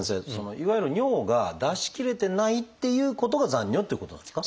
いわゆる尿が出しきれてないっていうことが残尿っていうことですか？